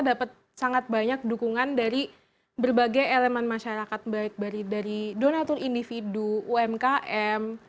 dapat sangat banyak dukungan dari berbagai elemen masyarakat baik dari donatur individu umkm